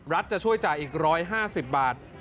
จะช่วยจ่ายอีก๑๕๐บาท